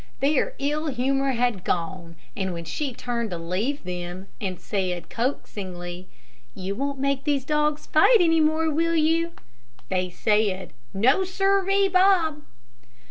Their ill humor had gone, and when she turned to leave them, and said, coaxingly, "You won't make those dogs fight any more, will you?" they said, "No, sirree, Bob."